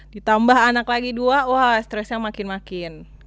ditambah anak lagi dua wah stresnya makin makin